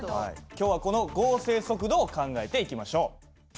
今日はこの合成速度を考えていきましょう。